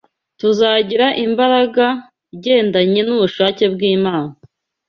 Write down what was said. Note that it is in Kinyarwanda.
tuzagira imbaraga igendanye n’ubushake bw’Imana